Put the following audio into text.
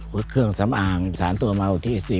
พุทธเครื่องสำอางสารตัวเมาที่อิสรี